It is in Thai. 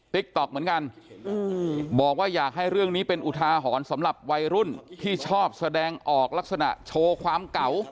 ติ๊กต๊อกเหมือนกันบอกว่าอยากให้เรื่องนี้เป็นอุทาหรณ์สำหรับวัยรุ่นที่ชอบแสดงออกลักษณะโชว์ความเก่า